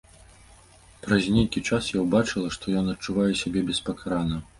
Праз нейкі час я ўбачыла, што ён адчувае сябе беспакарана.